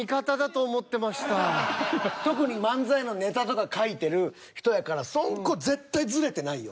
特に漫才のネタとか書いてる人やからそこ絶対ズレてないよ。